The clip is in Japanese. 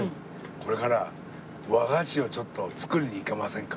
これから和菓子を作りに行きませんか？